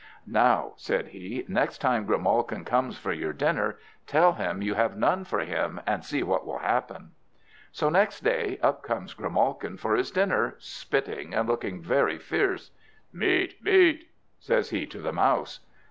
"Now," said he, "next time Grimalkin comes for your dinner, tell him you have none for him, and see what will happen." So next day up comes Grimalkin for his dinner, spitting and looking very fierce. "Meat! meat!" says he to the Mouse.